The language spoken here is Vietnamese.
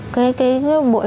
cái bụi không